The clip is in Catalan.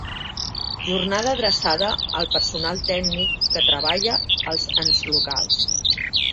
Jornada adreçada al personal tècnic que treballa als ens locals.